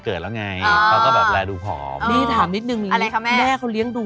เปิดประตูเข้ามาเขาก็แล้วเขาก็ใส่หน้าแล้วแอ๊ะชาลีน